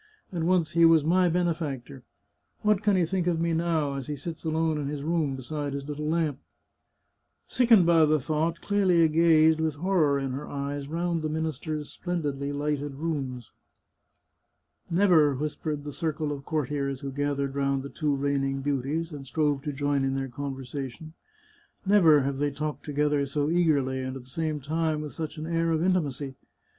And once he was my benefactor! What can he think of me now, as he sits alone in his room, beside his little lamp ?" Sickened by the thought, Clelia gazed, with horror in her eyes, round the minister's splendidly lighted rooms. " Never," whispered the circle of courtiers who gathered round the two reigning beauties, and strove to join in their conversation, " never have they talked together so eagerly, and at the same time with such an air of intimacy.